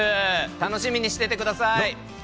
楽しみにしててください。